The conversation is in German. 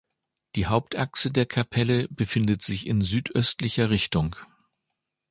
Die Hauptachse der Kapelle befindet sich in südöstlicher Richtung.